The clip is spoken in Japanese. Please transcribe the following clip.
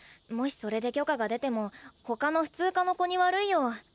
もしそれで許可が出ても他の普通科の子に悪いよ。